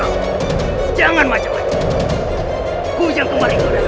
kita tidak tahu merpaci kepojukan oh iya school you know where i am than you do that